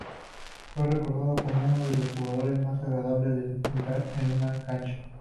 Es recordado como uno de los jugadores más agradables de mirar en una cancha.